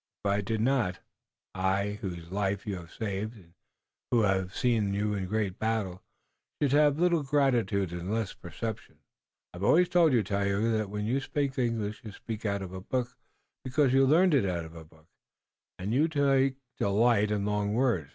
If I did not, I, whose life you have saved and who have seen you great in battle, should have little gratitude and less perception." "I've always told you, Tayoga, that when you speak English you speak out of a book, because you learned it out of a book and you take delight in long words.